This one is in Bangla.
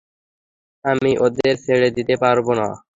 আমি ওদের ছেড়ে যেতে পারব না।